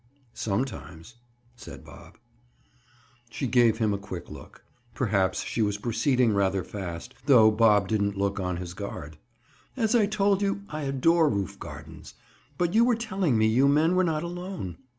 "Sometimes," said Bob. She gave him a quick look. Perhaps she was proceeding rather fast, though Bob didn't look on his guard. "As I told you, I adore roof gardens. But you were telling me you men were not alone.